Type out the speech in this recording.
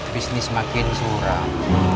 bisnis makin suram